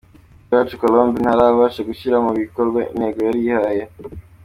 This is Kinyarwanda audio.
Akiwacu Colombe ntarabasha gushyira mu bikorwa intego yari yihaye.